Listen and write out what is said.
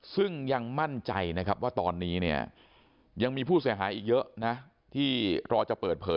ซึ่งยังมั่นใจนะครับว่าตอนนี้เนี่ยยังมีผู้เสียหายอีกเยอะนะที่รอจะเปิดเผย